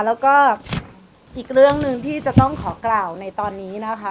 แล้วก็อีกเรื่องหนึ่งที่จะต้องขอกล่าวในตอนนี้นะคะ